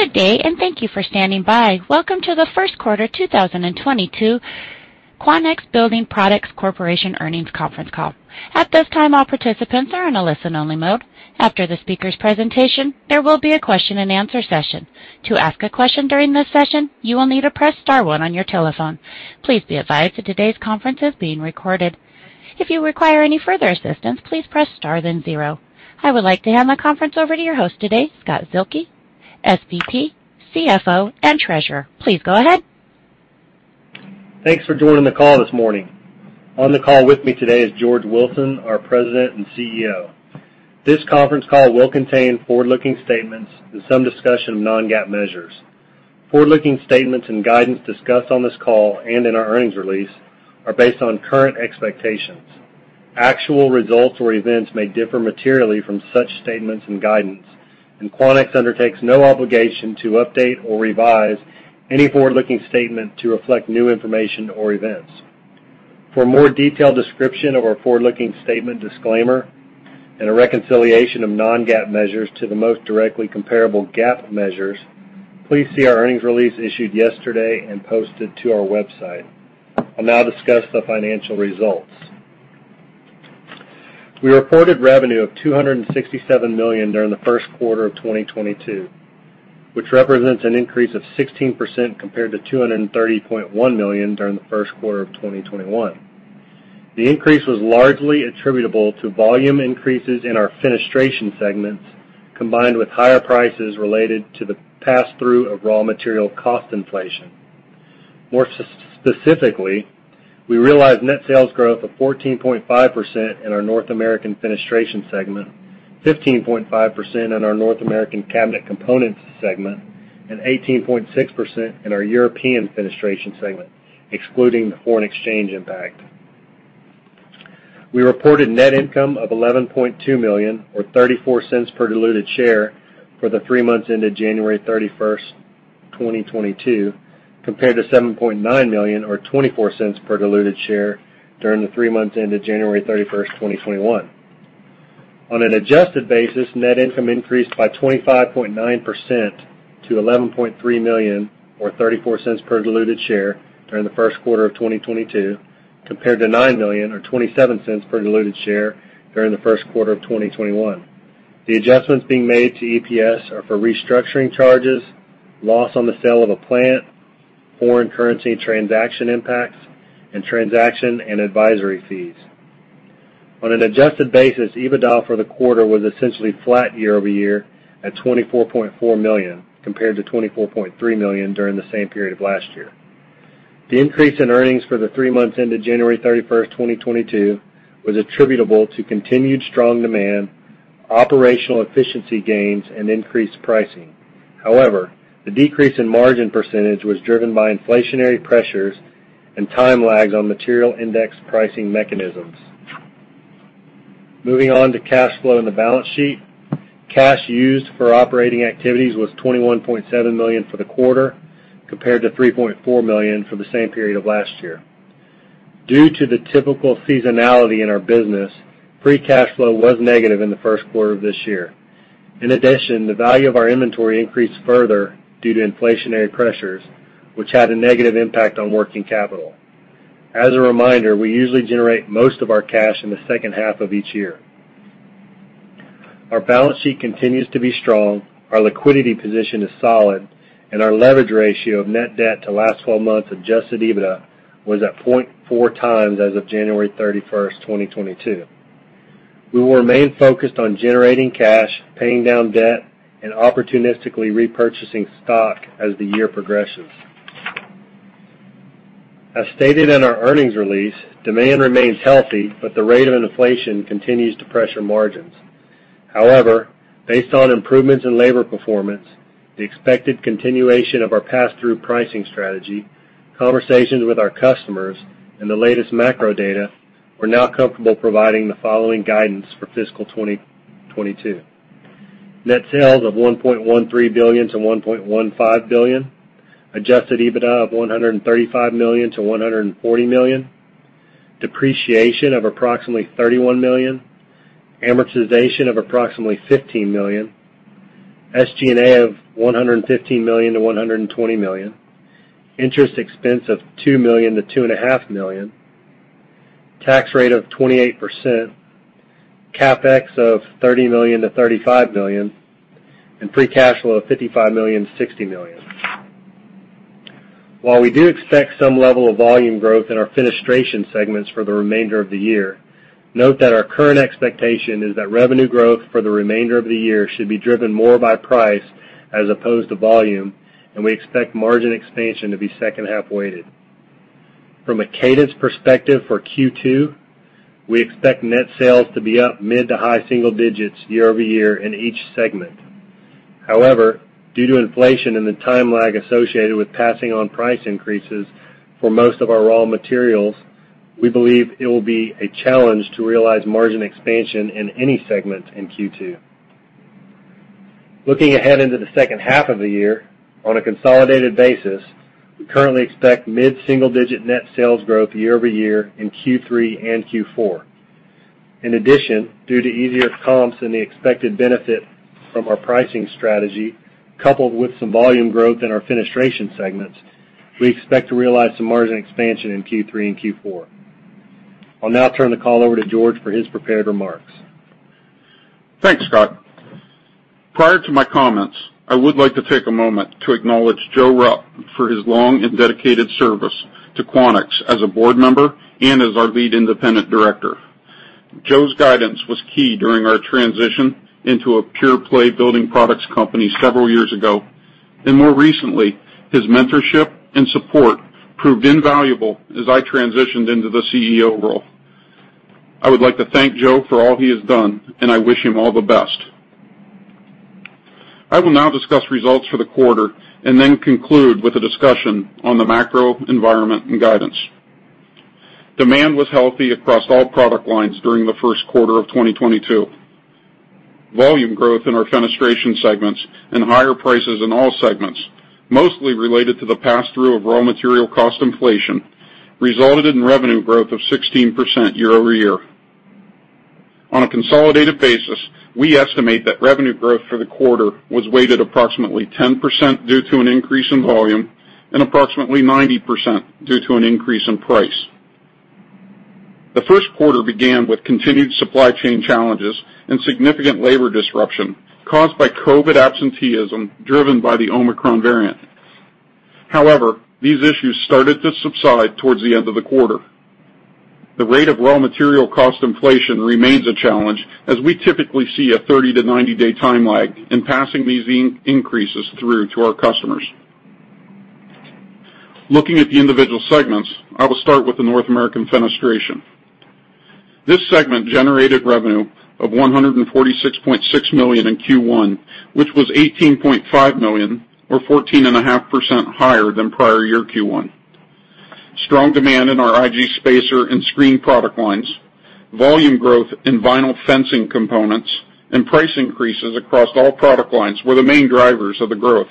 Good day, and thank you for standing by. Welcome to the first quarter 2022 Quanex Building Products Corporation earnings conference call. At this time, all participants are in a listen-only mode. After the speaker's presentation, there will be a question-and-answer session. To ask a question during this session, you will need to press star one on your telephone. Please be advised that today's conference is being recorded. If you require any further assistance, please press star, then zero. I would like to hand the conference over to your host today, Scott Zuehlke, SVP, CFO and Treasurer. Please go ahead. Thanks for joining the call this morning. On the call with me today is George Wilson, our President and CEO. This conference call will contain forward-looking statements and some discussion of non-GAAP measures. Forward-looking statements and guidance discussed on this call and in our earnings release are based on current expectations. Actual results or events may differ materially from such statements and guidance, and Quanex undertakes no obligation to update or revise any forward-looking statement to reflect new information or events. For a more detailed description of our forward-looking statement disclaimer and a reconciliation of non-GAAP measures to the most directly comparable GAAP measures, please see our earnings release issued yesterday and posted to our website. I'll now discuss the financial results. We reported revenue of $267 million during the first quarter of 2022, which represents an increase of 16% compared to $230.1 million during the first quarter of 2021. The increase was largely attributable to volume increases in our fenestration segments, combined with higher prices related to the pass-through of raw material cost inflation. More specifically, we realized net sales growth of 14.5% in our North American Fenestration segment, 15.5% in our North American Cabinet Components segment, and 18.6% in our European Fenestration segment, excluding the foreign exchange impact. We reported net income of $11.2 million, or $0.34 per diluted share, for the three months ended January 31st, 2022, compared to $7.9 million, or $0.24 per diluted share during the three months ended January 31st, 2021. On an adjusted basis, net income increased by 25.9% to $11.3 million or $0.34 per diluted share during the first quarter of 2022, compared to $9 million or $0.27 per diluted share during the first quarter of 2021. The adjustments being made to EPS are for restructuring charges, loss on the sale of a plant, foreign currency transaction impacts, and transaction and advisory fees. On an adjusted basis, EBITDA for the quarter was essentially flat year-over-year at $24.4 million, compared to $24.3 million during the same period of last year. The increase in earnings for the three months ended January 31st, 2022, was attributable to continued strong demand, operational efficiency gains, and increased pricing. However, the decrease in margin percentage was driven by inflationary pressures and time lags on material index pricing mechanisms. Moving on to cash flow and the balance sheet. Cash used for operating activities was $21.7 million for the quarter, compared to $3.4 million for the same period of last year. Due to the typical seasonality in our business, free cash flow was negative in the first quarter of this year. In addition, the value of our inventory increased further due to inflationary pressures, which had a negative impact on working capital. As a reminder, we usually generate most of our cash in the second half of each year. Our balance sheet continues to be strong, our liquidity position is solid, and our leverage ratio of net debt to last 12 months adjusted EBITDA was at 0.4x as of January 31st, 2022. We will remain focused on generating cash, paying down debt, and opportunistically repurchasing stock as the year progresses. As stated in our earnings release, demand remains healthy, but the rate of inflation continues to pressure margins. However, based on improvements in labor performance, the expected continuation of our pass-through pricing strategy, conversations with our customers, and the latest macro data, we're now comfortable providing the following guidance for fiscal 2022. Net sales of $1.13 billion-$1.15 billion. Adjusted EBITDA of $135 million-$140 million. Depreciation of approximately $31 million. Amortization of approximately $15 million. SG&A of $115 million-$120 million. Interest expense of $2 million-$2.5 million. Tax rate of 28%. CapEx of $30 million-$35 million. Free cash flow of $55 million-$60 million. While we do expect some level of volume growth in our fenestration segments for the remainder of the year, note that our current expectation is that revenue growth for the remainder of the year should be driven more by price as opposed to volume, and we expect margin expansion to be second half-weighted. From a cadence perspective for Q2, we expect net sales to be up mid- to high-single digits year-over-year in each segment. However, due to inflation and the time lag associated with passing on price increases for most of our raw materials, we believe it will be a challenge to realize margin expansion in any segment in Q2. Looking ahead into the second half of the year, on a consolidated basis, we currently expect mid-single-digit% net sales growth year-over-year in Q3 and Q4. In addition, due to easier comps than the expected benefit from our pricing strategy, coupled with some volume growth in our Fenestration segments, we expect to realize some margin expansion in Q3 and Q4. I'll now turn the call over to George for his prepared remarks. Thanks, Scott. Prior to my comments, I would like to take a moment to acknowledge Joe Rupp for his long and dedicated service to Quanex as a board member and as our Lead Independent Director. Joe's guidance was key during our transition into a pure-play building products company several years ago, and more recently, his mentorship and support proved invaluable as I transitioned into the CEO role. I would like to thank Joe for all he has done, and I wish him all the best. I will now discuss results for the quarter and then conclude with a discussion on the macro environment and guidance. Demand was healthy across all product lines during the first quarter of 2022. Volume growth in our fenestration segments and higher prices in all segments, mostly related to the pass-through of raw material cost inflation, resulted in revenue growth of 16% year-over-year. On a consolidated basis, we estimate that revenue growth for the quarter was weighted approximately 10% due to an increase in volume and approximately 90% due to an increase in price. The first quarter began with continued supply chain challenges and significant labor disruption caused by COVID absenteeism, driven by the Omicron variant. However, these issues started to subside towards the end of the quarter. The rate of raw material cost inflation remains a challenge, as we typically see a 30-day to 90-day time lag in passing these increases through to our customers. Looking at the individual segments, I will start with the North American Fenestration. This segment generated revenue of $146.6 million in Q1, which was $18.5 million or 14.5% higher than prior year Q1. Strong demand in our IG spacer and screen product lines, volume growth in vinyl fencing components, and price increases across all product lines were the main drivers of the growth.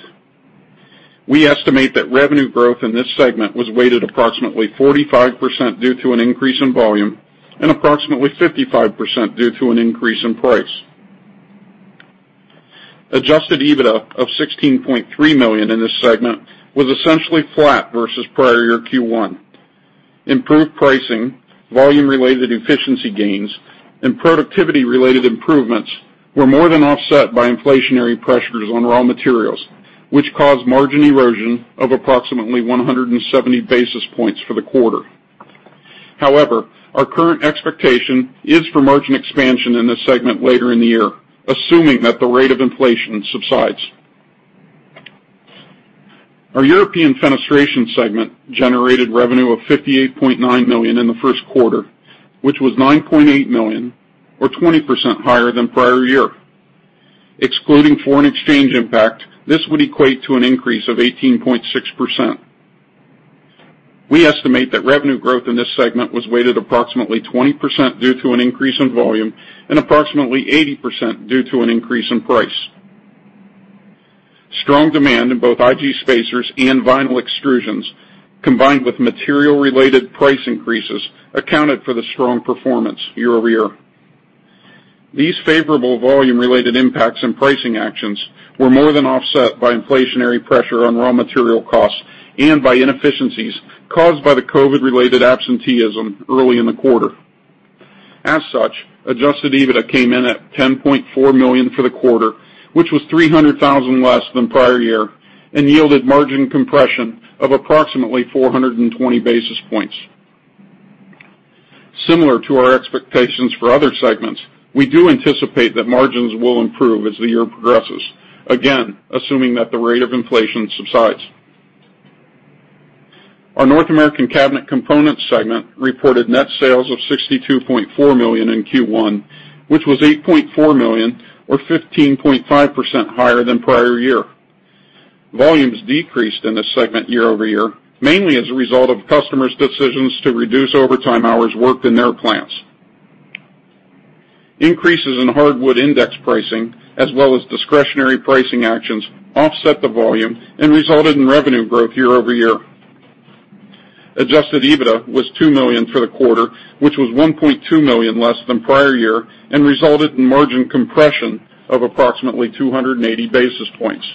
We estimate that revenue growth in this segment was weighted approximately 45% due to an increase in volume and approximately 55% due to an increase in price. Adjusted EBITDA of $16.3 million in this segment was essentially flat versus prior year Q1. Improved pricing, volume-related efficiency gains, and productivity-related improvements were more than offset by inflationary pressures on raw materials, which caused margin erosion of approximately 170 basis points for the quarter. However, our current expectation is for margin expansion in this segment later in the year, assuming that the rate of inflation subsides. Our European Fenestration segment generated revenue of $58.9 million in the first quarter, which was $9.8 million or 20% higher than prior year. Excluding foreign exchange impact, this would equate to an increase of 18.6%. We estimate that revenue growth in this segment was weighted approximately 20% due to an increase in volume and approximately 80% due to an increase in price. Strong demand in both IG spacers and vinyl extrusions, combined with material-related price increases, accounted for the strong performance year-over-year. These favorable volume-related impacts and pricing actions were more than offset by inflationary pressure on raw material costs and by inefficiencies caused by the COVID-related absenteeism early in the quarter. As such, adjusted EBITDA came in at $10.4 million for the quarter, which was $300,000 less than prior year and yielded margin compression of approximately 420 basis points. Similar to our expectations for other segments, we do anticipate that margins will improve as the year progresses, again, assuming that the rate of inflation subsides. Our North American Cabinet Components segment reported net sales of $62.4 million in Q1, which was $8.4 million or 15.5% higher than prior year. Volumes decreased in this segment year-over-year, mainly as a result of customers' decisions to reduce overtime hours worked in their plants. Increases in hardwood index pricing, as well as discretionary pricing actions, offset the volume and resulted in revenue growth year-over-year. Adjusted EBITDA was $2 million for the quarter, which was $1.2 million less than prior year and resulted in margin compression of approximately 280 basis points.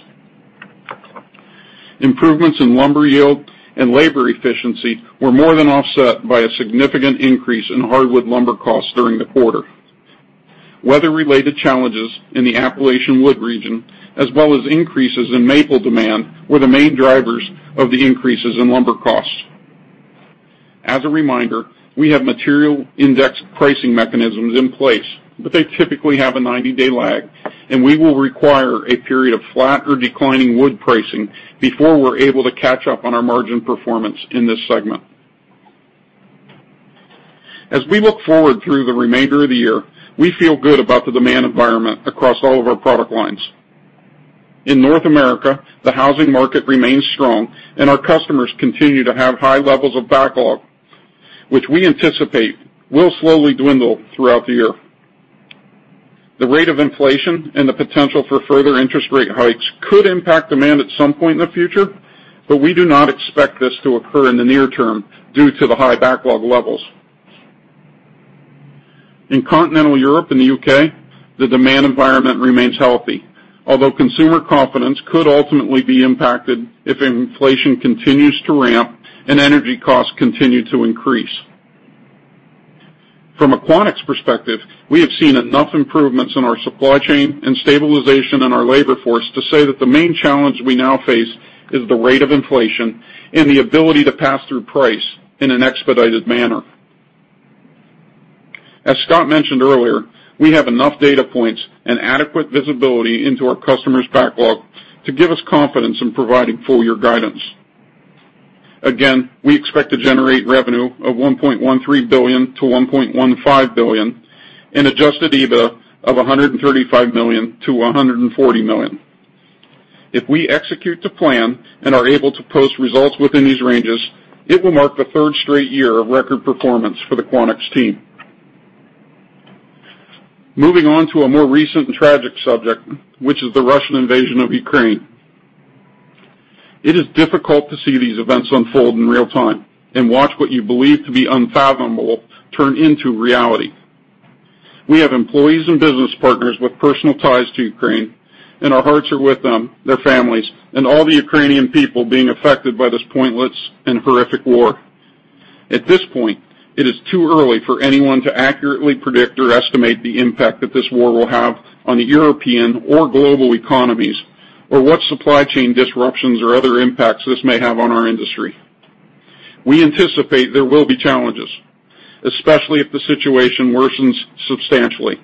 Improvements in lumber yield and labor efficiency were more than offset by a significant increase in hardwood lumber costs during the quarter. Weather-related challenges in the Appalachian wood region, as well as increases in maple demand, were the main drivers of the increases in lumber costs. As a reminder, we have material index pricing mechanisms in place, but they typically have a 90-day lag, and we will require a period of flat or declining wood pricing before we're able to catch up on our margin performance in this segment. As we look forward through the remainder of the year, we feel good about the demand environment across all of our product lines. In North America, the housing market remains strong and our customers continue to have high levels of backlog, which we anticipate will slowly dwindle throughout the year. The rate of inflation and the potential for further interest rate hikes could impact demand at some point in the future, but we do not expect this to occur in the near term due to the high backlog levels. In continental Europe and the U.K., the demand environment remains healthy, although consumer confidence could ultimately be impacted if inflation continues to ramp and energy costs continue to increase. From a Quanex perspective, we have seen enough improvements in our supply chain and stabilization in our labor force to say that the main challenge we now face is the rate of inflation and the ability to pass through price in an expedited manner. As Scott mentioned earlier, we have enough data points and adequate visibility into our customers' backlog to give us confidence in providing full year guidance. Again, we expect to generate revenue of $1.13 billion-$1.15 billion and adjusted EBITDA of $135 million-$140 million. If we execute to plan and are able to post results within these ranges, it will mark the third straight year of record performance for the Quanex team. Moving on to a more recent and tragic subject, which is the Russian invasion of Ukraine. It is difficult to see these events unfold in real time and watch what you believe to be unfathomable turn into reality. We have employees and business partners with personal ties to Ukraine, and our hearts are with them, their families, and all the Ukrainian people being affected by this pointless and horrific war. At this point, it is too early for anyone to accurately predict or estimate the impact that this war will have on the European or global economies or what supply chain disruptions or other impacts this may have on our industry. We anticipate there will be challenges, especially if the situation worsens substantially.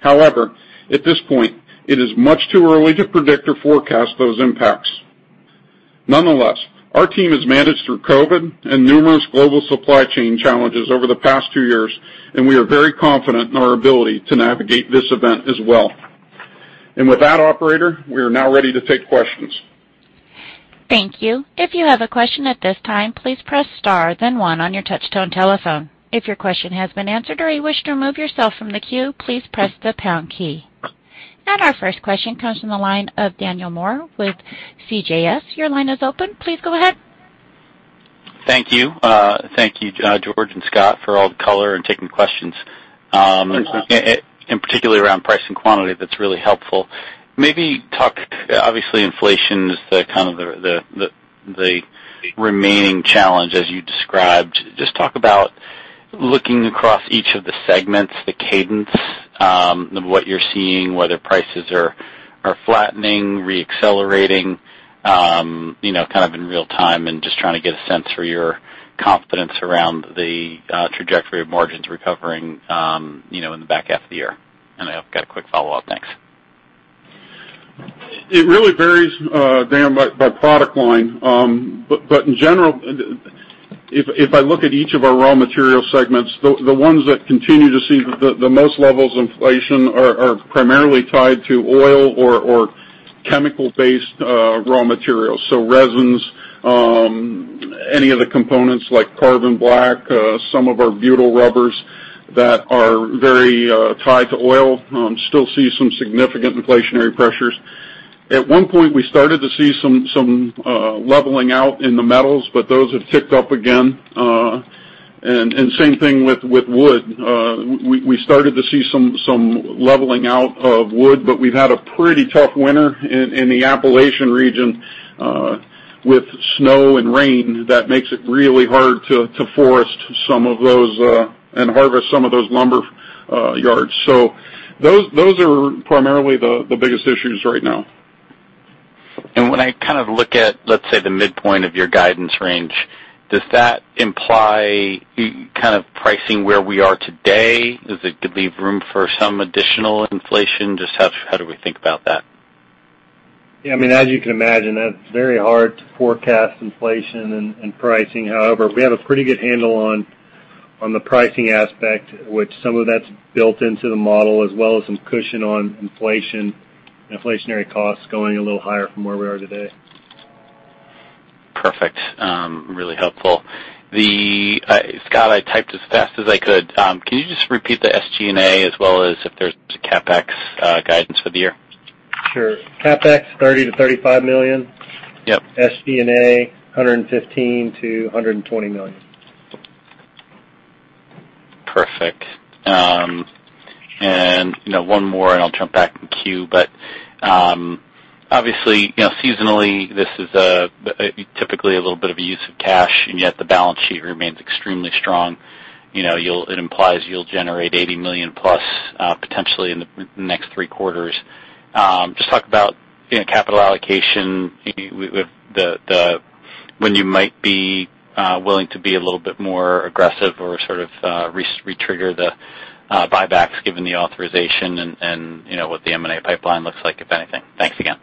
However, at this point it is much too early to predict or forecast those impacts. Nonetheless, our team has managed through COVID and numerous global supply chain challenges over the past two years, and we are very confident in our ability to navigate this event as well. With that operator, we are now ready to take questions. Thank you. If you have a question at this time, please press star then one on your touchtone telephone. If your question has been answered or you wish to remove yourself from the queue, please press the pound key. Our first question comes from the line of Daniel Moore with CJS. Your line is open. Please go ahead. Thank you. Thank you, George and Scott for all the color and taking questions. Thanks. Particularly around price and quantity, that's really helpful. Obviously inflation is the kind of the remaining challenge as you described. Just talk about looking across each of the segments, the cadence, what you're seeing, whether prices are flattening, re-accelerating, you know, kind of in real time and just trying to get a sense for your confidence around the trajectory of margins recovering, you know, in the back half of the year. I've got a quick follow-up. Thanks. It really varies, Dan, by product line. In general, if I look at each of our raw material segments, the ones that continue to see the most levels of inflation are primarily tied to oil or chemical-based raw materials. Resins, any of the components like carbon black, some of our butyl rubbers that are very tied to oil, still see some significant inflationary pressures. At one point, we started to see some leveling out in the metals, but those have ticked up again. Same thing with wood. We started to see some leveling out of wood, but we've had a pretty tough winter in the Appalachian region with snow and rain that makes it really hard to harvest some of those lumber yards. Those are primarily the biggest issues right now. When I kind of look at, let's say, the midpoint of your guidance range, does that imply kind of pricing where we are today? Does it leave room for some additional inflation? Just how do we think about that? Yeah, I mean, as you can imagine, that's very hard to forecast inflation and pricing. However, we have a pretty good handle on the pricing aspect, which some of that's built into the model as well as some cushion on inflationary costs going a little higher from where we are today. Perfect. Really helpful. Scott, I typed as fast as I could. Can you just repeat the SG&A as well as if there's CapEx guidance for the year? Sure. CapEx, $30 million-$35 million. Yep. SG&A, $115 million-$120 million. Perfect. You know, one more, and I'll jump back in queue. Obviously, you know, seasonally this is typically a little bit of a use of cash, and yet the balance sheet remains extremely strong. You know, it implies you'll generate $80 million+, potentially in the next three quarters. Just talk about, you know, capital allocation. Maybe when you might be willing to be a little bit more aggressive or sort of, retrigger the buybacks given the authorization and, you know, what the M&A pipeline looks like, if anything. Thanks again.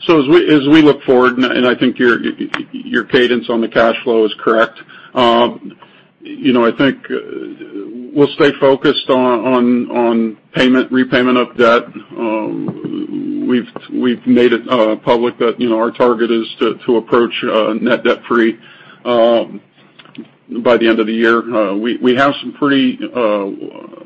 As we look forward, I think your cadence on the cash flow is correct. You know, I think we'll stay focused on repayment of debt. We've made it public that, you know, our target is to approach net debt free by the end of the year. We have some pretty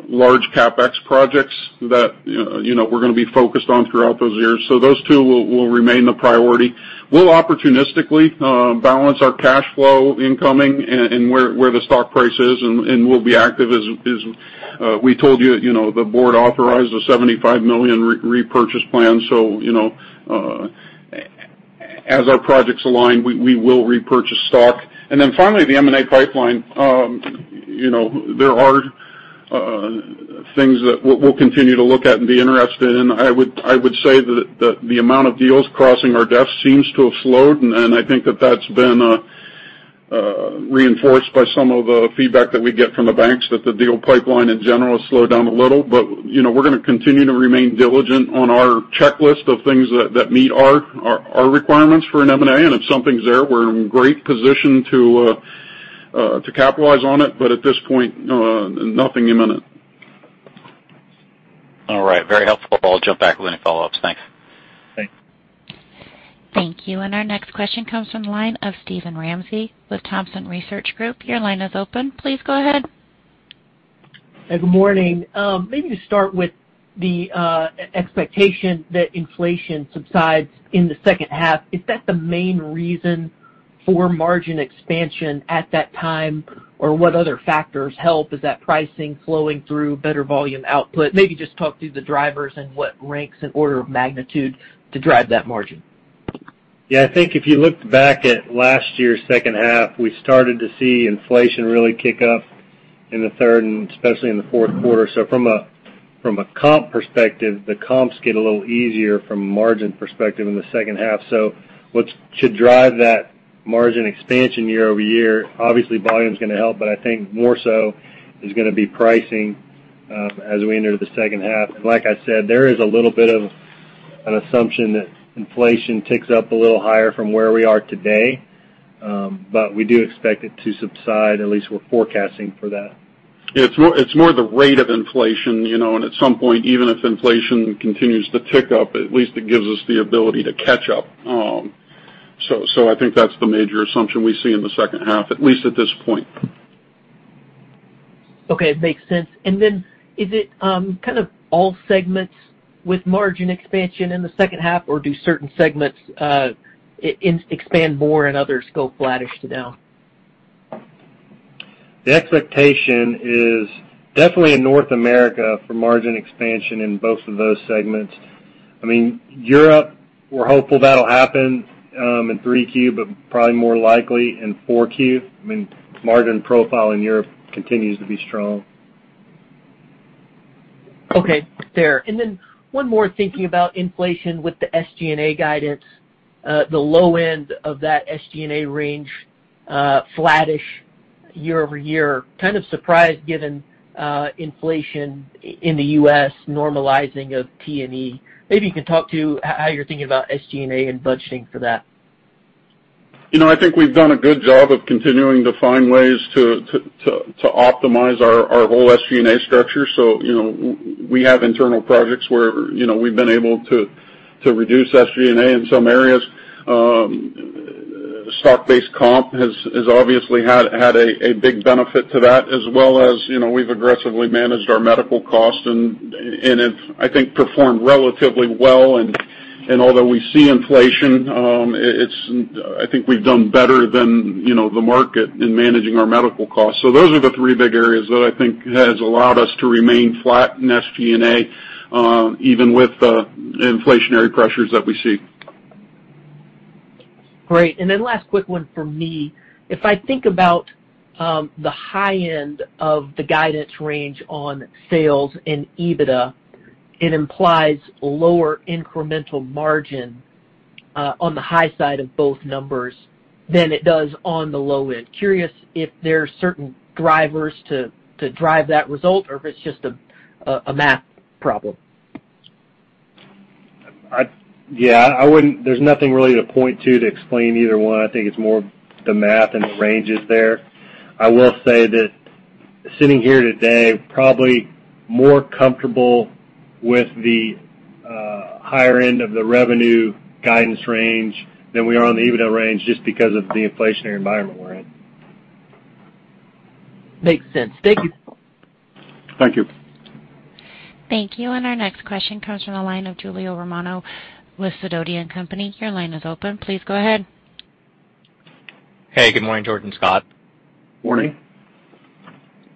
large CapEx projects that, you know, we're gonna be focused on throughout those years. Those two will remain the priority. We'll opportunistically balance our cash flow incoming and where the stock price is, and we'll be active as we told you know, the board authorized a $75 million repurchase plan. You know, as our projects align, we will repurchase stock. Then finally, the M&A pipeline. You know, there are things that we'll continue to look at and be interested in. I would say that the amount of deals crossing our desk seems to have slowed, and I think that that's been reinforced by some of the feedback that we get from the banks, that the deal pipeline in general has slowed down a little. You know, we're gonna continue to remain diligent on our checklist of things that meet our requirements for an M&A. If something's there, we're in great position to capitalize on it. At this point, nothing imminent. All right. Very helpful. I'll jump back with any follow-ups. Thanks. Thanks. Thank you. Our next question comes from the line of Steven Ramsey with Thompson Research Group. Your line is open. Please go ahead. Hey, good morning. Maybe to start with the expectation that inflation subsides in the second half, is that the main reason for margin expansion at that time? Or what other factors help? Is that pricing flowing through better volume output? Maybe just talk through the drivers and what ranks in order of magnitude to drive that margin. Yeah. I think if you looked back at last year's second half, we started to see inflation really kick up in the third and especially in the fourth quarter. From a comp perspective, the comps get a little easier from a margin perspective in the second half. What should drive that margin expansion year-over-year, obviously volume's gonna help, but I think more so is gonna be pricing, as we enter the second half. Like I said, there is a little bit of an assumption that inflation ticks up a little higher from where we are today, but we do expect it to subside. At least we're forecasting for that. It's more the rate of inflation, you know. At some point, even if inflation continues to tick up, at least it gives us the ability to catch up. I think that's the major assumption we see in the second half, at least at this point. Okay. Makes sense. Is it kind of all segments with margin expansion in the second half, or do certain segments expand more and others go flattish to down? The expectation is definitely in North America for margin expansion in both of those segments. I mean, Europe, we're hopeful that'll happen in 3Q, but probably more likely in 4Q. I mean, margin profile in Europe continues to be strong. Okay. Fair. One more thinking about inflation with the SG&A guidance. The low end of that SG&A range, flattish year-over-year. Kind of surprised given inflation in the U.S. normalizing of T&E. Maybe you can talk to how you're thinking about SG&A and budgeting for that. You know, I think we've done a good job of continuing to find ways to optimize our whole SG&A structure. You know, we have internal projects where, you know, we've been able to reduce SG&A in some areas. Stock-based comp has obviously had a big benefit to that as well as, you know, we've aggressively managed our medical costs and it's, I think, performed relatively well. Although we see inflation, it's. I think we've done better than, you know, the market in managing our medical costs. Those are the three big areas that I think has allowed us to remain flat in SG&A, even with inflationary pressures that we see. Great. Last quick one from me. If I think about the high end of the guidance range on sales and EBITDA, it implies lower incremental margin on the high side of both numbers than it does on the low end. Curious if there are certain drivers to drive that result or if it's just a math problem. Yeah, I wouldn't. There's nothing really to point to explain either one. I think it's more the math and the ranges there. I will say that sitting here today, probably more comfortable with the higher end of the revenue guidance range than we are on the EBITDA range just because of the inflationary environment we're in. Makes sense. Thank you. Thank you. Thank you. Our next question comes from the line of Julio Romero with Sidoti & Company. Your line is open. Please go ahead. Hey, good morning, George and Scott. Morning.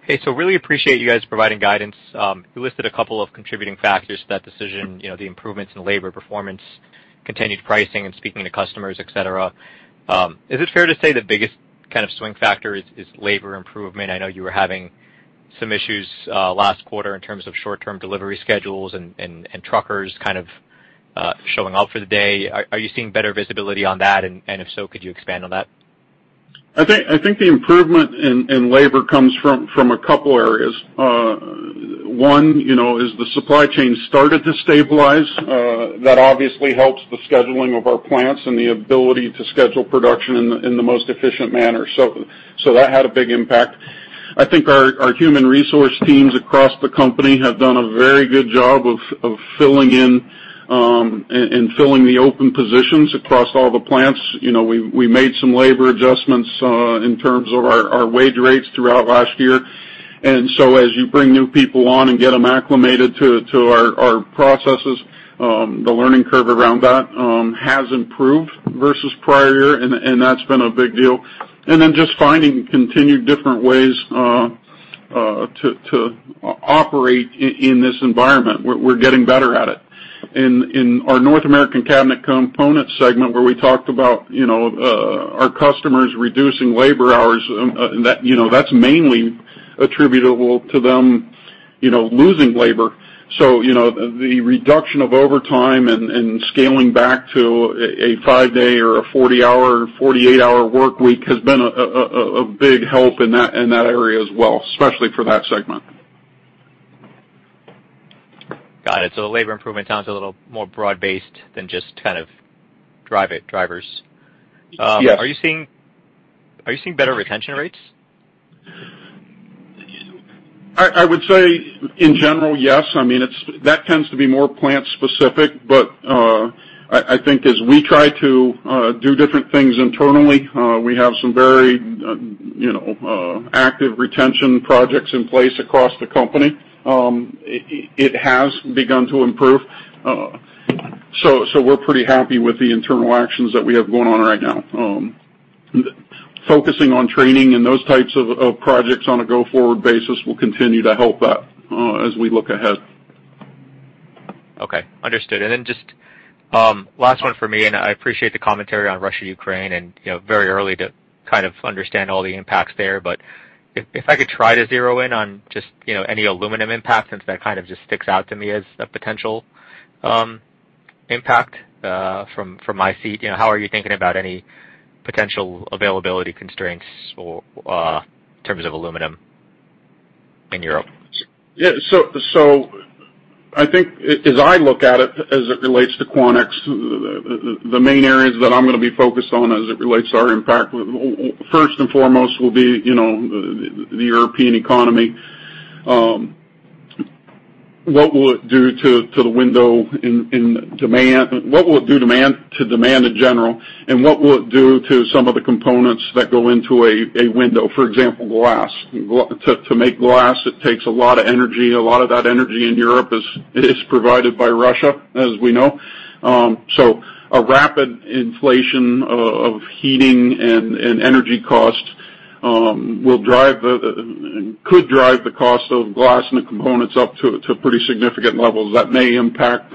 I really appreciate you guys providing guidance. You listed a couple of contributing factors to that decision. You know, the improvements in labor performance, continued pricing and speaking to customers, et cetera. Is it fair to say the biggest kind of swing factor is labor improvement? I know you were having some issues last quarter in terms of short-term delivery schedules and truckers kind of showing up for the day. Are you seeing better visibility on that? If so, could you expand on that? I think the improvement in labor comes from a couple areas. One, you know, is the supply chain started to stabilize. That obviously helps the scheduling of our plants and the ability to schedule production in the most efficient manner. That had a big impact. I think our human resource teams across the company have done a very good job of filling in and filling the open positions across all the plants. You know, we made some labor adjustments in terms of our wage rates throughout last year. As you bring new people on and get them acclimated to our processes, the learning curve around that has improved versus prior year, and that's been a big deal. Just finding continued different ways to operate in this environment. We're getting better at it. In our North American Cabinet Components segment where we talked about, you know, our customers reducing labor hours, that, you know, that's mainly attributable to them, you know, losing labor. You know, the reduction of overtime and scaling back to a five-day or a 40-hour, 48-hour workweek has been a big help in that area as well, especially for that segment. Got it. Labor improvement sounds a little more broad-based than just kind of drivers. Yes. Are you seeing better retention rates? I would say in general, yes. I mean, it's that tends to be more plant specific. But I think as we try to do different things internally, we have some very you know active retention projects in place across the company. It has begun to improve. So we're pretty happy with the internal actions that we have going on right now. Focusing on training and those types of projects on a go-forward basis will continue to help that as we look ahead. Okay. Understood. Just last one for me, and I appreciate the commentary on Russia-Ukraine, and you know, very early to kind of understand all the impacts there. If I could try to zero in on just you know, any aluminum impact since that kind of just sticks out to me as a potential impact from my seat. You know, how are you thinking about any potential availability constraints or in terms of aluminum in Europe? Yeah. I think as I look at it as it relates to Quanex, the main areas that I'm gonna be focused on as it relates to our impact, well, first and foremost will be, you know, the European economy. What will it do to the window industry demand? What will it do to demand in general, and what will it do to some of the components that go into a window, for example, glass? To make glass, it takes a lot of energy. A lot of that energy in Europe is provided by Russia, as we know. A rapid inflation of heating and energy costs will drive and could drive the cost of glass and the components up to pretty significant levels that may impact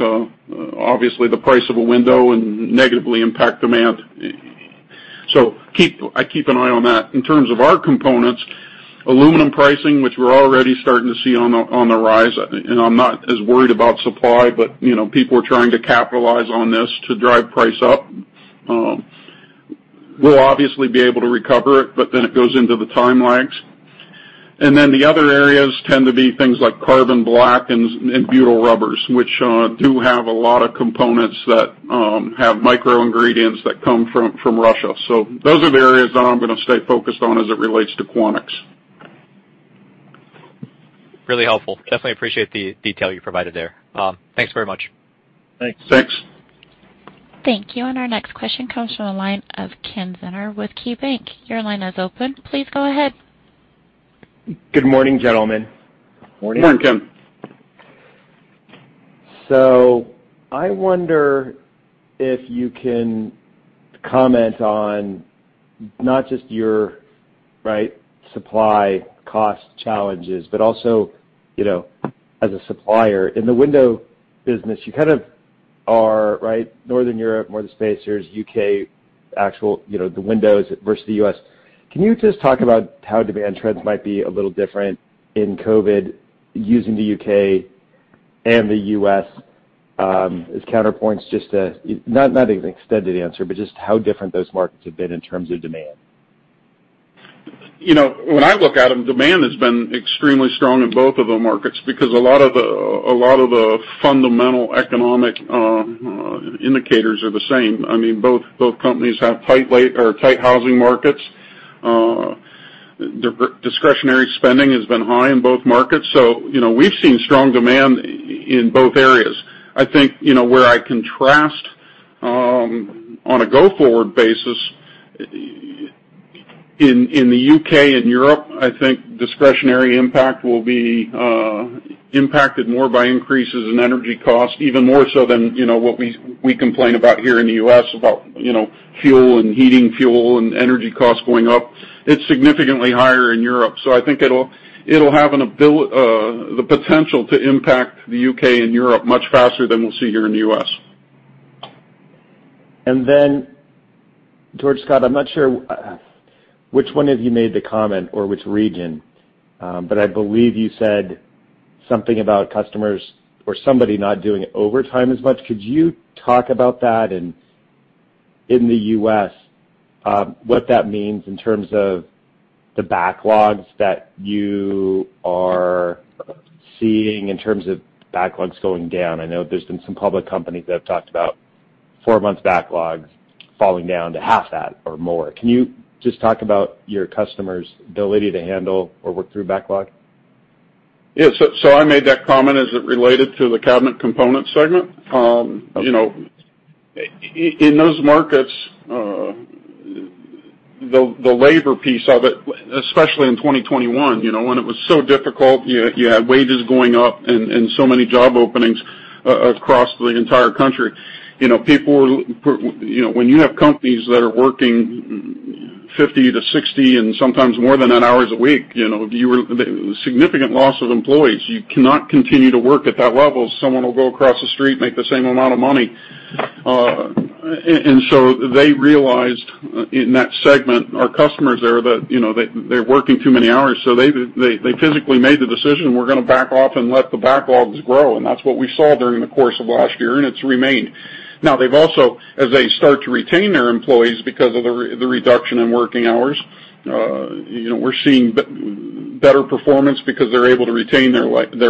obviously the price of a window and negatively impact demand. I keep an eye on that. In terms of our components, aluminum pricing, which we're already starting to see on the rise, and I'm not as worried about supply, but you know, people are trying to capitalize on this to drive price up. We'll obviously be able to recover it, but then it goes into the time lags. The other areas tend to be things like carbon black and butyl rubbers, which do have a lot of components that have micro ingredients that come from Russia. Those are the areas that I'm gonna stay focused on as it relates to Quanex. Really helpful. Definitely appreciate the detail you provided there. Thanks very much. Thanks. Thank you. Our next question comes from the line of Ken Zener with KeyBanc. Your line is open. Please go ahead. Good morning, gentlemen. Morning. Good morning, Ken. I wonder if you can comment on not just your, right, supply cost challenges, but also, you know, as a supplier. In the window business, you kind of are, right, Northern Europe, more the spacers, U.K., actually, you know, the windows versus the U.S. Can you just talk about how demand trends might be a little different in COVID using the U.K. and the U.S. as counterpoints just to not an extended answer, but just how different those markets have been in terms of demand. You know, when I look at them, demand has been extremely strong in both of the markets because a lot of the fundamental economic indicators are the same. I mean, both companies have tight housing markets. Discretionary spending has been high in both markets. You know, we've seen strong demand in both areas. I think, you know, where I contrast, on a go-forward basis, in the U.K. and Europe, I think discretionary impact will be impacted more by increases in energy costs even more so than, you know, what we complain about here in the U.S. about, you know, fuel and heating fuel and energy costs going up. It's significantly higher in Europe. I think it'll have the potential to impact the U.K. and Europe much faster than we'll see here in the U.S. George, Scott, I'm not sure which one of you made the comment or which region, but I believe you said something about customers or somebody not doing overtime as much. Could you talk about that and in the U.S., what that means in terms of the backlogs that you are seeing in terms of backlogs going down? I know there's been some public companies that have talked about four months backlog falling down to half that or more. Can you just talk about your customer's ability to handle or work through backlog? Yes. I made that comment as it related to the cabinet component segment. You know, in those markets, the labor piece of it, especially in 2021, you know, when it was so difficult, you had wages going up and so many job openings across the entire country, you know, people were, you know, when you have companies that are working 50 hours-60 hours and sometimes more than that hours a week, you know, you were significant loss of employees. You cannot continue to work at that level. Someone will go across the street, make the same amount of money. And so they realized in that segment, our customers there, that, you know, they're working too many hours. They physically made the decision, we're gonna back off and let the backlogs grow. That's what we saw during the course of last year, and it's remained. Now they've also, as they start to retain their employees because of the reduction in working hours, you know, we're seeing better performance because they're able to retain their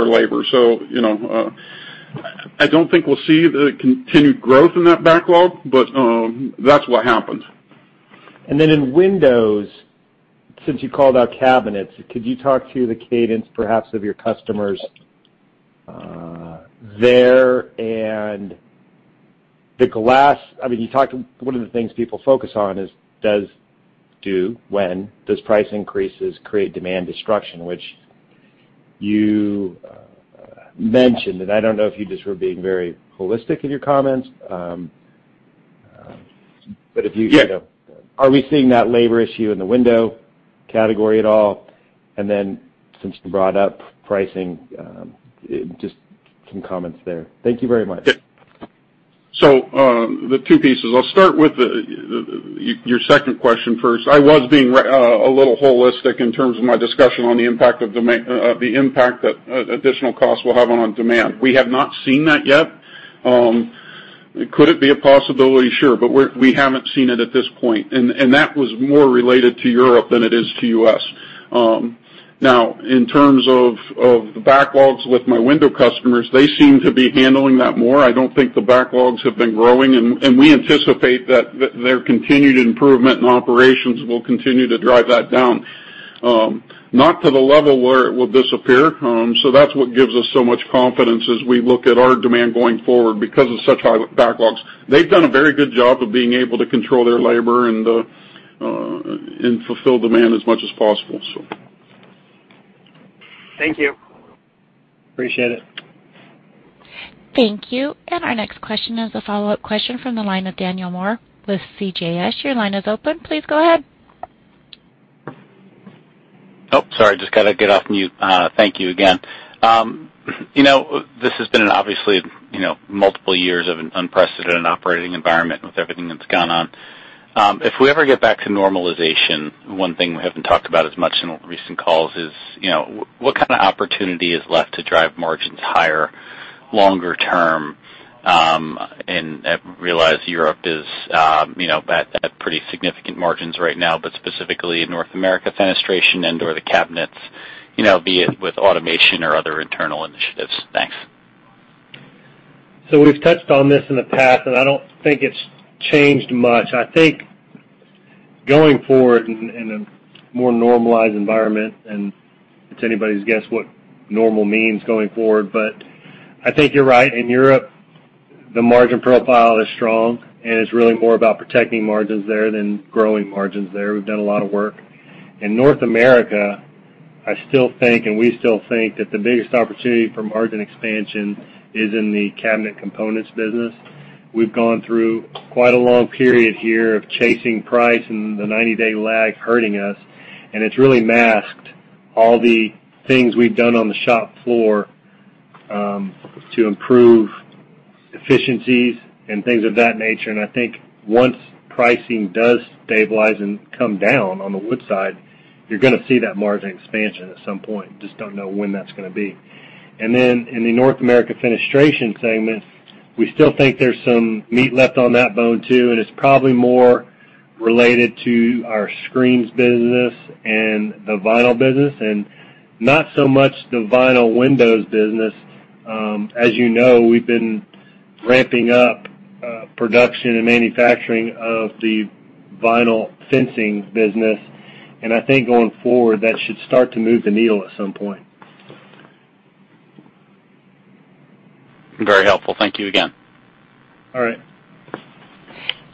labor. You know, I don't think we'll see the continued growth in that backlog, but that's what happened. In windows, since you called out cabinets, could you talk to the cadence perhaps of your customers there. I mean, you talked, one of the things people focus on is when do price increases create demand destruction, which you mentioned, and I don't know if you just were being very holistic in your comments. If you- Yeah. Are we seeing that labor issue in the window category at all? Since you brought up pricing, just some comments there. Thank you very much. Yeah. The two pieces, I'll start with your second question first. I was being a little holistic in terms of my discussion on the impact that additional costs will have on demand. We have not seen that yet. Could it be a possibility? Sure. But we haven't seen it at this point. And that was more related to Europe than it is to U.S. Now, in terms of the backlogs with my window customers, they seem to be handling that more. I don't think the backlogs have been growing, and we anticipate that their continued improvement in operations will continue to drive that down. Not to the level where it will disappear. That's what gives us so much confidence as we look at our demand going forward because of such high backlogs. They've done a very good job of being able to control their labor and fulfill demand as much as possible. Thank you. Appreciate it. Thank you. Our next question is a follow-up question from the line of Daniel Moore with CJS. Your line is open. Please go ahead. Sorry, just gotta get off mute. Thank you again. You know, this has been an obviously, you know, multiple years of an unprecedented operating environment with everything that's gone on. If we ever get back to normalization, one thing we haven't talked about as much in recent calls is, you know, what kind of opportunity is left to drive margins higher longer term? I realize Europe is, you know, at pretty significant margins right now, but specifically in North American Fenestration and or the cabinets, you know, be it with automation or other internal initiatives. Thanks. We've touched on this in the past, and I don't think it's changed much. I think going forward in a more normalized environment, and it's anybody's guess what normal means going forward, but I think you're right. In Europe, the margin profile is strong, and it's really more about protecting margins there than growing margins there. We've done a lot of work. In North America, I still think, and we still think, that the biggest opportunity for margin expansion is in the cabinet components business. We've gone through quite a long period here of chasing price and the 90-day lag hurting us, and it's really masked all the things we've done on the shop floor to improve efficiencies and things of that nature. I think once pricing does stabilize and come down on the wood side, you're gonna see that margin expansion at some point. Just don't know when that's gonna be. In the North American Fenestration segment, we still think there's some meat left on that bone too, and it's probably more related to our screens business and the vinyl business and not so much the vinyl windows business. As you know, we've been ramping up production and manufacturing of the vinyl fencing business, and I think going forward, that should start to move the needle at some point. Very helpful. Thank you again. All right.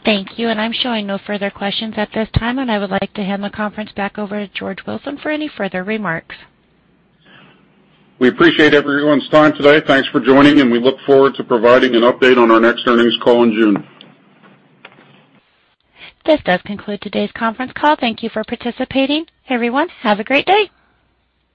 Thank you. I'm showing no further questions at this time, and I would like to hand the conference back over to George Wilson for any further remarks. We appreciate everyone's time today. Thanks for joining, and we look forward to providing an update on our next earnings call in June. This does conclude today's conference call. Thank you for participating. Everyone, have a great day.